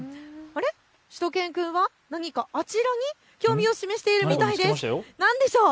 しゅと犬くん、何かあちらに興味を示しているみたいです。